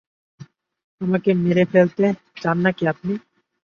আমাকে মেরে ফেলতে চান নাকি আপনি?